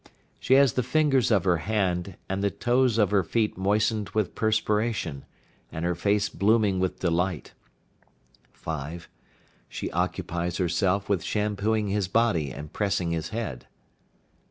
She has the fingers of her hand, and the toes of her feet moistened with perspiration, and her face blooming with delight. 5. She occupies herself with shampooing his body and pressing his head.